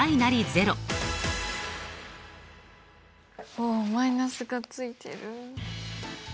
おマイナスが付いてる。